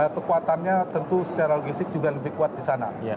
kekuatannya tentu secara logistik juga lebih kuat di sana